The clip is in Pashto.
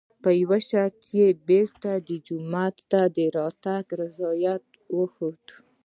په یوه شرط یې بېرته جومات ته د راتګ رضایت وښود.